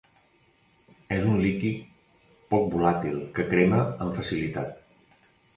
És un líquid poc volàtil que crema amb facilitat.